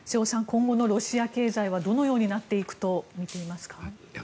今後のロシア経済はどのようになっていくと見ていますか。